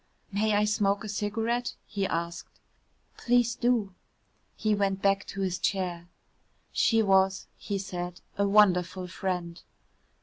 "May I smoke a cigarette?" he asked. "Please do." He went back to his chair. She was, he said, a wonderful friend.